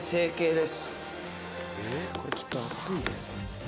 「これちょっと熱いです」